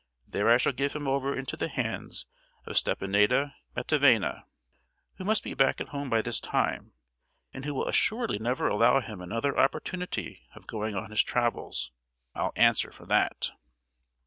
There I shall give him over into the hands of Stepanida Matveyevna, who must be back at home by this time, and who will assuredly never allow him another opportunity of going on his travels, I'll answer for that!"